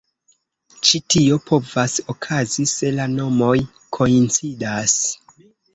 Ĉi tio povas okazi se la nomoj koincidas.